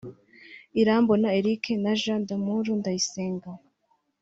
Irambona Eric na Jean D’Amour Ndayisenga